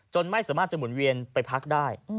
ไม่สามารถจะหมุนเวียนไปพักได้